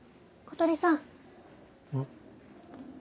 小鳥さん